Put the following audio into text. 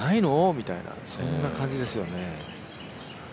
みたいなそんな感じですよね。